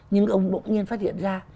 nhưng ông bỗng nhiên phát hiện ra